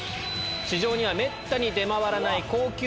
市場にはめったに出回らない。